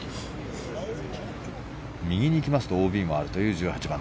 右に行きますとＯＢもあるという１８番。